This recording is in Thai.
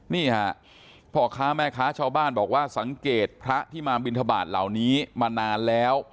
นี่ค่ะพ่อค้าแม่ค้าชาวบ้านบอกว่าสังเกตพระที่มาบินทบาทเหล่านี้มานานแล้ว